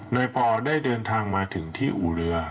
ปอได้เดินทางมาถึงที่อู่เรือ